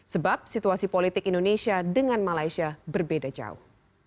sebab situasi politik indonesia dengan malaysia berbeda jauh